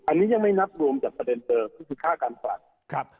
อันนี้ยังไม่นับรวมจากประเด็นเดิมก็คือค่าการฝากครับ